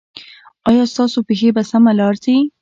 ایا ستاسو پښې په سمه لار ځي؟